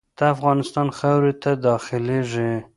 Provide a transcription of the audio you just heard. د افغانستان خاورې ته داخلیږي.